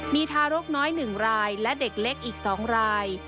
มีทารกน้อย๑รายและเด็กเล็กอีก๒ราย